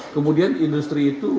kemudian industri itu